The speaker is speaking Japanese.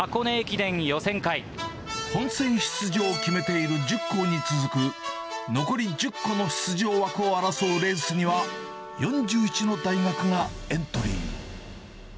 本戦出場を決めている１０校に続く、残り１０校の出場枠を争うレースには、４１の大学がエントリー。